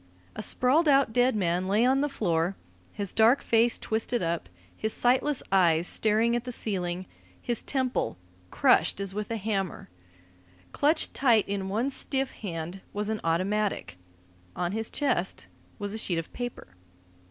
A sprawled out dead man lay on the floor, his dark face twisted up, his sightless eyes staring at the ceiling, his temple crushed as with a hammer. Clutched tight in one stiff hand was an automatic. On his chest was a sheet of paper.